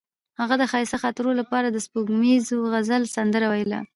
هغې د ښایسته خاطرو لپاره د سپوږمیز غزل سندره ویله.